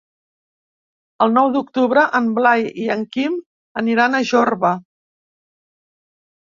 El nou d'octubre en Blai i en Quim aniran a Jorba.